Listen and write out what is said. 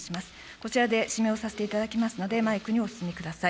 こちらで指名をさせていただきますので、マイクにお進みください。